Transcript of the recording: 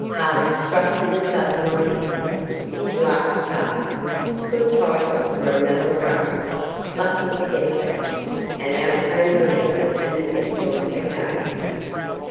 Ha!' struck with a sudden idea, '"His Last Gasp", good title for a melodrama mustn't forget that,' and out came the letter and the pencil again.